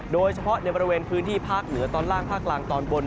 โดยเฉพาะในบริเวณพื้นที่ภาคเหนือตอนล่างภาคกลางตอนบน